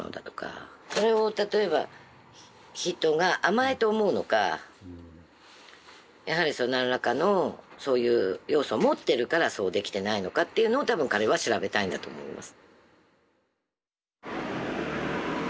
それを例えば人が甘えと思うのかやはり何らかのそういう要素を持ってるからそうできていないのかっていうのを多分彼は調べたいんだと思います。